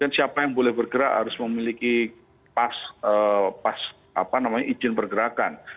dan siapa yang boleh bergerak harus memiliki pas izin bergerakan